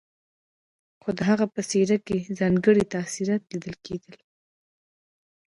خو د هغه په څېره کې ځانګړي تاثرات ليدل کېدل.